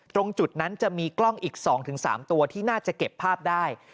ตรงจุดนั้นจะมีกล้องอีก๒๓ตัวที่น่าจะเก็บภาพได้